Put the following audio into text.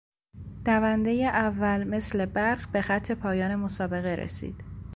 دوندهی اول مثل برق به خط پایان مسابقه رسید.